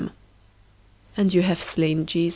" And you have slain him.